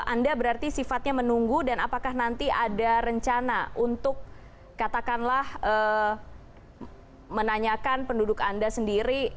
anda berarti sifatnya menunggu dan apakah nanti ada rencana untuk katakanlah menanyakan penduduk anda sendiri